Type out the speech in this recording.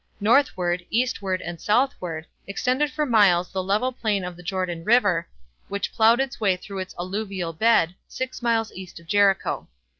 Northward, eastward, and southward, extended for miles the level plain of the Jordan river, which plowed its way through its alluvial bed, six miles east of Jericho.